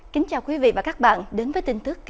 kính chào quý vị và các bạn đến với tin tức